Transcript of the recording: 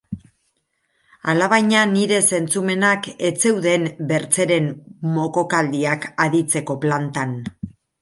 Alabaina nire zentzumenak ez zeuden bertzeren mokokaldiak aditzeko plantan.